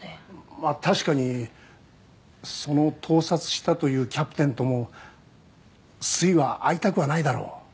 まあ確かにその盗撮したというキャプテンともすいは会いたくはないだろう？